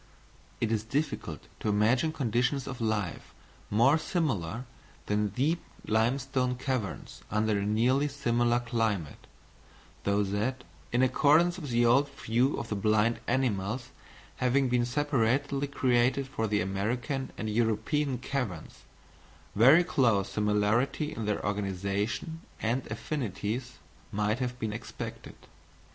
It is difficult to imagine conditions of life more similar than deep limestone caverns under a nearly similar climate; so that, in accordance with the old view of the blind animals having been separately created for the American and European caverns, very close similarity in their organisation and affinities might have been expected.